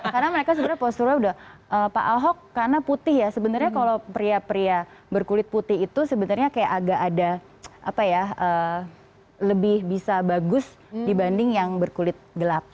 karena mereka sebenarnya posturnya udah pak ahok karena putih ya sebenarnya kalau pria pria berkulit putih itu sebenarnya kayak agak ada apa ya lebih bisa bagus dibanding yang berkulit gelap